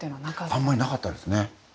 あんまりなかったですね。